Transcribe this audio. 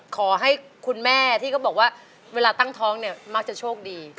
ขอให้คุณแม่ที่ก็บอกว่าเวลาตั้งท้องเนี่ยมักจะโชคดี